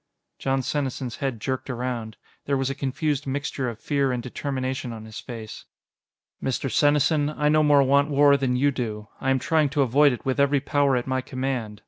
Jon Senesin's head jerked around. There was a confused mixture of fear and determination on his face. "Mr. Senesin, I no more want war than you do. I am trying to avoid it with every power at my command.